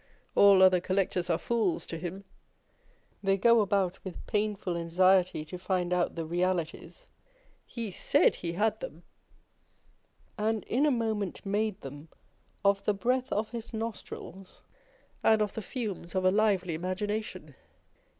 All other collectors are fools to him : they go about with painful anxiety to find out the realities : â€" he said he had them â€" and in a moment made them of the breath of his nostrils and of the fumes of a lively imagina tion.